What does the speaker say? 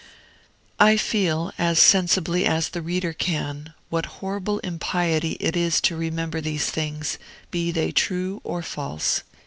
I feel, as sensibly as the reader can, what horrible impiety it is to remember these things, be they true or false.